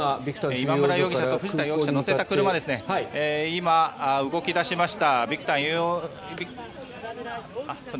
今村容疑者と藤田容疑者を乗せた車が今、動き出しました。